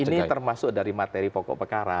ini termasuk dari materi pokok perkara